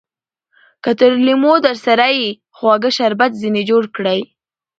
که تريو لېمو درسره يي؛ خواږه شربت ځني جوړ کړئ!